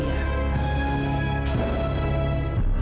dan kalau kamu ingin mereka bahagia